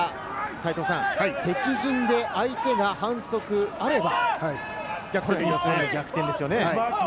ですから、敵陣で相手が反則があれば逆転ですよね。